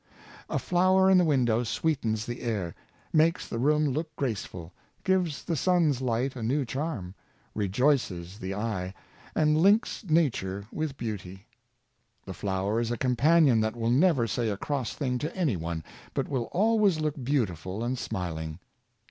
A flower in the window sweetens the air, makes the room look graceful, gives the sun's light a new charm, rejoices the eye, and links nature with beauty. The flower is a companion that will never say a cross thing to any one, but will always look beautiful and smiling.